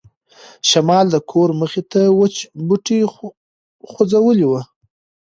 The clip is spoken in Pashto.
شمال د کور مخې ته وچ بوټي خوځولي وو.